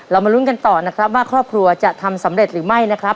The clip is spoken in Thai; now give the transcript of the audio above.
มาลุ้นกันต่อนะครับว่าครอบครัวจะทำสำเร็จหรือไม่นะครับ